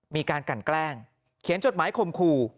มีการกันแกล้งเขียนจดหมายคมคู่